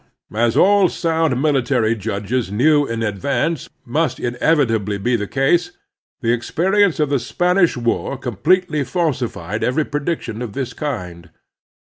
Now, as all sound military judges knew in ad vance must inevitably be the case, the experience of the Spanish war completely falsified every pre diction of this kind.